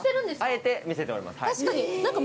あえて見せております